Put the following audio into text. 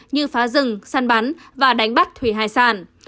như phá rừng săn bắn và đánh bắt thủy hải sản